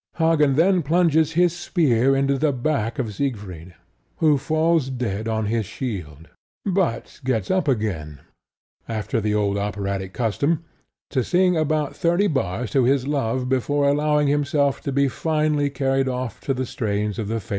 Hagen then plunges his spear into the back of Siegfried, who falls dead on his shield, but gets up again, after the old operatic custom, to sing about thirty bars to his love before allowing himself to be finally carried off to the strains of the famous Trauermarsch.